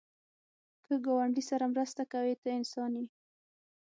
که ګاونډي سره مرسته کوې، ته انسان یې